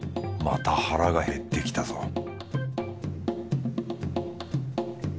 また腹が減ってきたぞ